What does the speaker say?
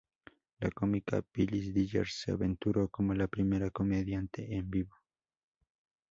La cómica Phyllis Diller se aventuró como la primera comediante en vivo.